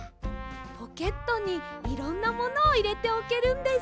ポケットにいろんなものをいれておけるんです。